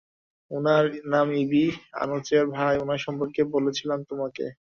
উনার নাম ইবি, আনোচের ভাই, উনার সম্পর্কে বলেছিলাম তোমাকে।